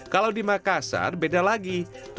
kalau di makassar beda lagi